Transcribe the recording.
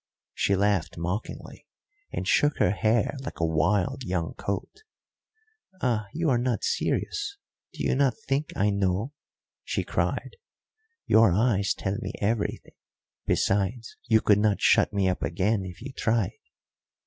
She laughed mockingly, and shook her hair like a wild young colt. "Ah, you are not serious do you not think I know?" she cried. "Your eyes tell me everything. Besides, you could not shut me up again if you tried."